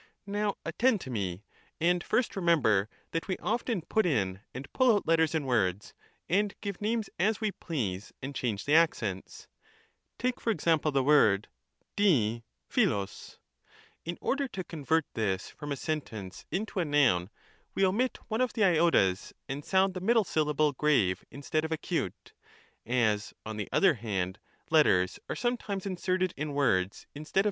Now, attend to me ; and first, remember that we often put in and pull out letters in words, and give names as we please and change the accents. Take, for example, the word Ait <piXo(; ; in order to convert this from a sentence into a noun, we omit one of the iotas and sound the middle syllable grave instead of acute ; as, on the other hand, letters are sometimes inserted in words instead of being omitted, and the acute takes the place of the grave.